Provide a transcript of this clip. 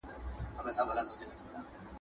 که دقيق فکر وکړو.